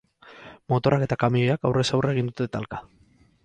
Motorrak eta kamioak aurrez aurre egin dute talka.